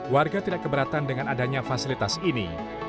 warga tidak keberatan dengan adanya fasilitas ini